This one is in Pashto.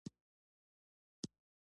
د سینې د پړسوب لپاره د کرم پاڼې وکاروئ